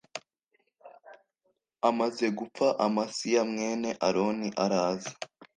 amaze gupfa Amasiya mwene aroni araza